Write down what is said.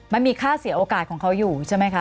มันมีค่าเสียโอกาสของเขาอยู่ใช่ไหมคะ